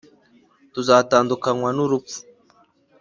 Tuzatandukanywa na urupfu